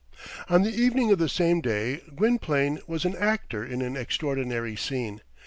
On the evening of the same day, Gwynplaine was an actor in an extraordinary scene.